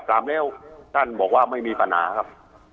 ตามแล้วท่านบอกว่าไม่มีปัญหาครับ